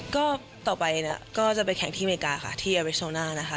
ก็ต่อไปเนี่ยก็จะไปแข่งที่อเมริกาค่ะที่อริโซน่านะคะ